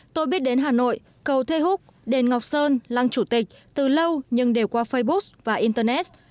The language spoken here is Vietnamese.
tôi biết đến hà nội cầu thê húc đền ngọc sơn lăng chủ tịch từ lâu nhưng đều qua facebook và internet